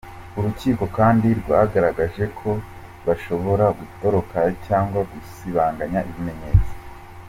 Urukiko kandi rwagaragaje ko bashobora gutoroka cyangwa gusibanganya ibimenyetso.